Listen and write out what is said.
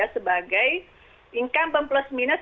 sebagai income plus minus